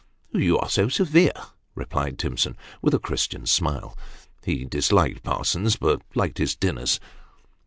" You are so severe," replied Timson, with a Christian smile : he disliked Parsons, but liked his dinners.